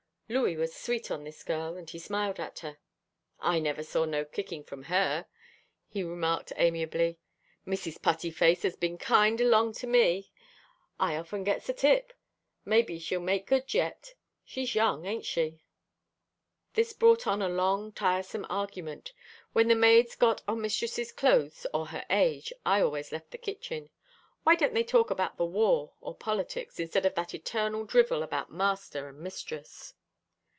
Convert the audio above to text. Louis was sweet on this girl, and he smiled at her. "I never saw no kicking from her," he remarked amiably. "Mrs. Putty Face has been kind along to me. I often gets a tip. Maybe she'll make good yet. She's young, ain't she?" This brought on a long, tiresome argument. When the maids got on mistress's clothes or her age, I always left the kitchen. Why don't they talk about the war or politics, instead of that eternal drivel about master and mistress?